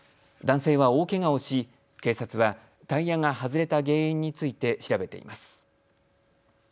男性は大けがをし、警察はタイヤが外れた原因について調べています。